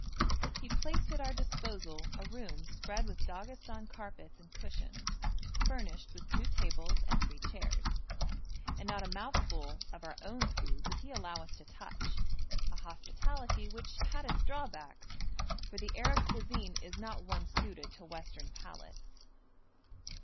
He placed at our disposal a room spread with Daghestan carpets and cushions, furnished with two tables and three chairs, and not a mouthful of our own food would he allow us to touch, a hospitality which had its drawbacks, for the Arab cuisine is not one suited to Western palates.